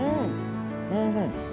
おいしい。